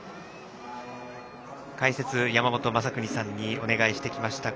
解説、山本昌邦さんにお願いしてきました